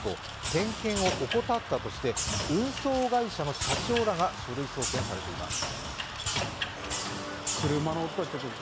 点検を怠ったとして運送会社の社長らが書類送検されています。